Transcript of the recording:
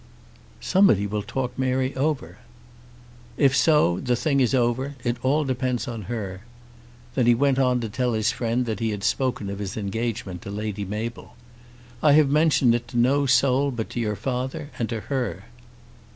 "Somebody will talk Mary over." "If so, the thing is over. It all depends on her." Then he went on to tell his friend that he had spoken of his engagement to Lady Mabel. "I have mentioned it to no soul but to your father and to her."